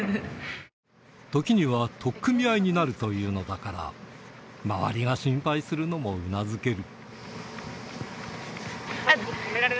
時には、取っ組み合いになるというのだから、周りが心配するのもうなずける。